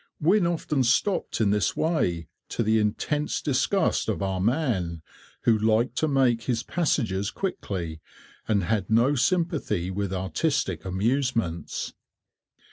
Wynne often stopped in this way, to the intense disgust of our man, who liked to make his passages quickly, and had no sympathy with artistic amusements.